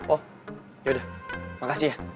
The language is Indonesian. oh yaudah makasih ya